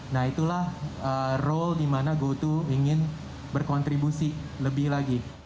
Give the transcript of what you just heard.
nah itulah role di mana goto ingin berkontribusi lebih lagi